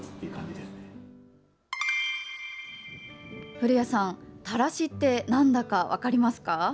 古谷さん、たらしってなんだか分かりますか？